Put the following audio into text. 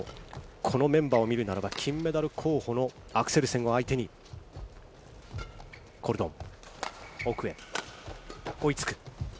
このメンバーを見るならば、金メダル候補のアクセルセンを相手にコルドン、奥へ、追いつく。